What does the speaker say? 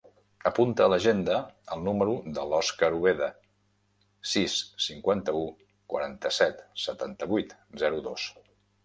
Apunta a l'agenda el número de l'Òscar Ubeda: sis, cinquanta-u, quaranta-set, setanta-vuit, zero, dos.